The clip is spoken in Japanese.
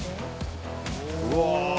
うわ！